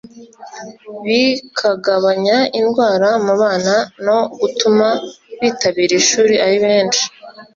bikagabanya indwara mu bana no gutuma bitabira ishuri ari benshi